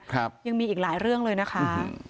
ครับยังมีอีกหลายเรื่องเลยนะคะ